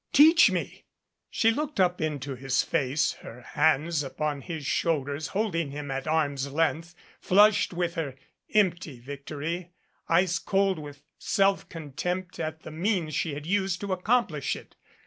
Teach me !" She looked up into his face, her hands upon his shoul ders holding him at arm's length, flushed with her empty victory ice cold with self contempt at the means she had used to accomplish it.